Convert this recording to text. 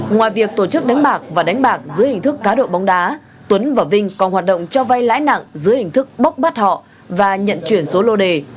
ngoài việc tổ chức đánh bạc và đánh bạc dưới hình thức cá độ bóng đá tuấn và vinh còn hoạt động cho vay lãi nặng dưới hình thức bốc bắt họ và nhận chuyển số lô đề